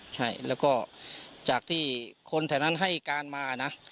ใช่แล้วก็จากที่คนแถวนั้นให้การมานะ